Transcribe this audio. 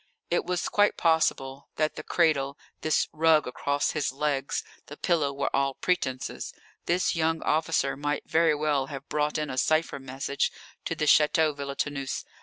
_] It was quite possible that the cradle, this rug across his legs, the pillow, were all pretences. This young officer might very well have brought in a cipher message to the Château Villetaneuse.